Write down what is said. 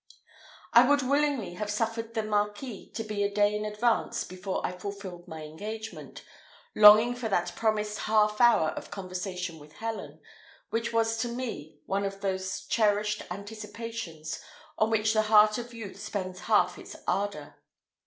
I would willingly have suffered the Marquis to be a day in advance before I fulfilled my engagement, longing for that promised half hour of conversation with Helen, which was to me one of those cherished anticipations on which the heart of youth spends half its ardour.